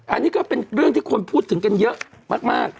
อันนี้ก็เป็นเรื่องที่คนพูดถึงกันเยอะมาก